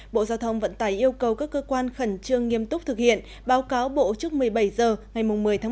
bộ giao thông vận tải yêu cầu các cơ quan khẩn trương nghiêm túc thực hiện báo cáo bộ trước một mươi bảy h ngày một mươi một